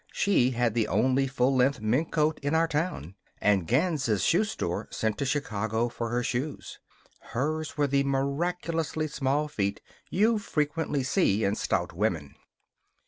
She had the only full length mink coat in our town, and Ganz's shoe store sent to Chicago for her shoes. Hers were the miraculously small feet you frequently see in stout women.